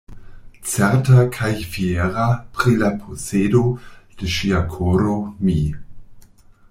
Certa kaj fiera pri la posedo de ŝia koro, mi.